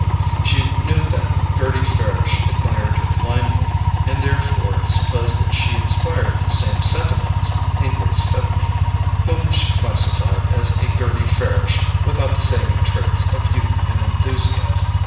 She knew that Gerty Farish admired her blindly, and therefore supposed that she inspired the same sentiments in Grace Stepney, whom she classified as a Gerty Farish without the saving traits of youth and enthusiasm.